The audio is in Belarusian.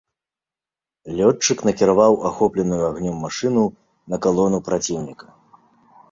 Лётчык накіраваў ахопленую агнём машыну на калону праціўніка.